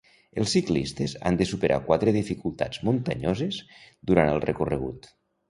Els ciclistes han de superar quatre dificultats muntanyoses durant el recorregut.